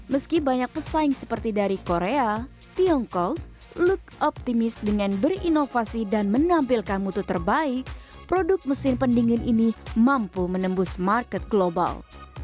meski banyak pesaing seperti dari korea tiongkok look optimis dengan berinovasi dan menampilkan mutu terbaik produk mesin pendingin ini mampu menembus market global